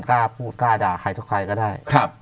กล้าพูดกล้าด่าใครทุกใครก็ได้